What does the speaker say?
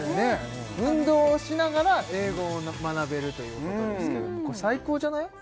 運動をしながら英語を学べるということですけどもこれ最高じゃない？